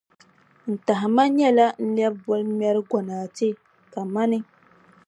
N tahima nyɛla n lɛbi bolŋmɛrʼ gonaate kamani.